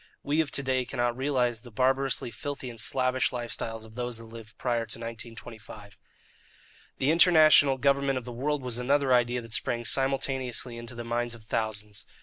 We of to day cannot realize the barbarously filthy and slavish lives of those that lived prior to 1925. The international government of the world was another idea that sprang simultaneously into the minds of thousands.